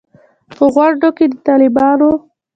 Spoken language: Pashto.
په غونډه کې د طالبانو